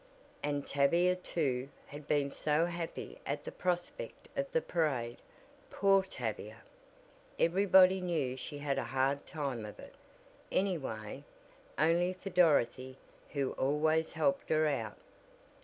And Tavia too, had been so happy at the prospect of the parade. Poor Tavia! Everybody knew she had a hard time of it, anyway, only for Dorothy, who always helped her out.